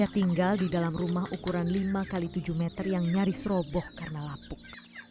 tinggal di dalam rumah ukuran lima x tujuh meter yang nyaris roboh karena lapuk